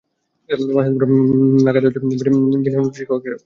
মাঝদুপুর নাগাদ বিনা নোটিশেই কয়েক সারি সৈন্য ঢাকার পুরান অংশে হামলা চালায়।